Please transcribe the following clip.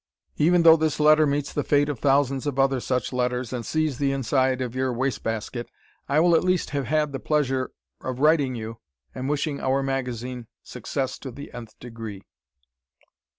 Even though this letter meets the fate of thousands of other such letters and sees the inside of your wastebasket, I will at least have had the pleasure of writing to you and wishing "our" magazine success to the nth degree.